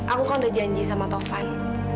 aku kan udah janji sama tovan